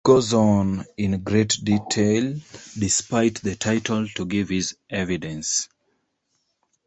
He goes on, in great detail-despite the title-to give his evidence.